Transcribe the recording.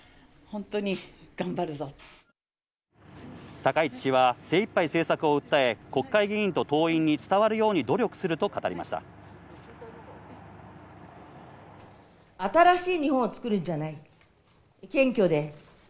高市氏は精いっぱい政策を訴え、国会議員と党員に伝わるように努力すると語りました。